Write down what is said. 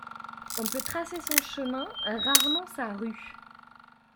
On peut tracer son chemin, rarement sa rue.